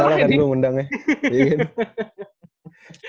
enggak salah kan gue ngundangnya